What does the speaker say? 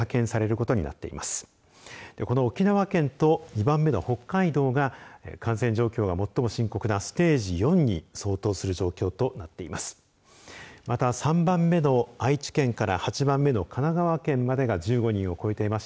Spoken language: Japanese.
この沖縄県と２番目の北海道が感染状況が最も深刻なステージ４に相当する状況となっています。